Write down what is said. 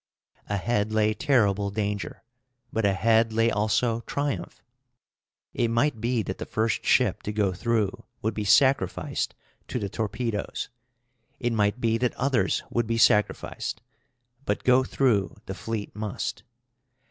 Ahead lay terrible danger, but ahead lay also triumph. It might be that the first ship to go through would be sacrificed to the torpedoes; it might be that others would be sacrificed; but go through the fleet must.